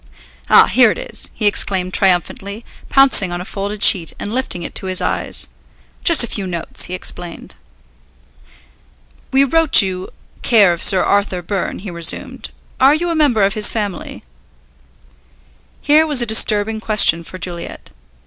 "Ah, here it is!" he exclaimed triumphantly, pouncing on a folded sheet and lifting it to his eyes. "Just a few notes," he explained. "We wrote you care of Sir Arthur Byrne," he resumed; "are you a member of his family?" Here was a disturbing question for Juliet.